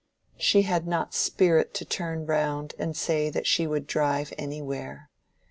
She had not spirit to turn round and say that she would drive anywhere.